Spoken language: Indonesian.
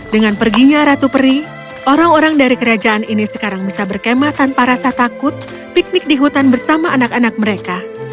dengan perginya ratu peri orang orang dari kerajaan ini sekarang bisa berkemah tanpa rasa takut piknik di hutan bersama anak anak mereka